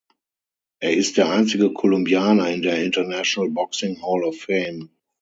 Er ist der einzige Kolumbianer in der „International Boxing Hall of Fame“.